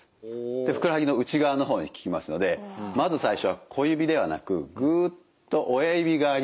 でふくらはぎの内側の方に効きますのでまず最初は小指ではなくグッと親指側に乗せて。